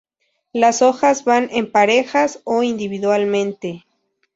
Las hojas van en parejas o individualmente.